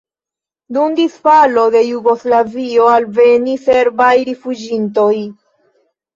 Dum disfalo de Jugoslavio alvenis serbaj rifuĝintoj.